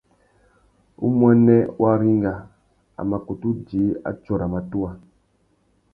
Umuênê Waringa a mà kutu djï atsôra matuwa.